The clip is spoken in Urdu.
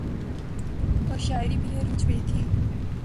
اورشاعری بھی عروج پہ تھی۔